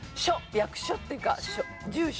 役所っていうか住所。